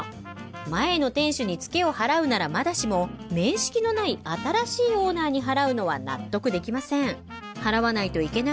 前の店主にツケを払うならまだしも面識のない新しいオーナーに払うのは納得できません